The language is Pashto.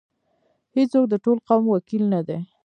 هیڅوک د ټول قوم وکیل نه دی.